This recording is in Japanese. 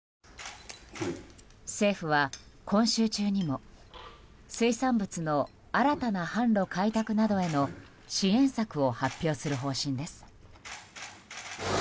政府は今週中にも水産物の新たな販路開拓などへの支援策を発表する方針です。